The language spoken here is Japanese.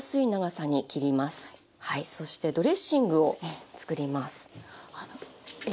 そしてドレッシングを作ります。